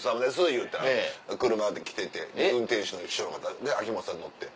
言うたら車で来てて運転手と秋元さん乗って。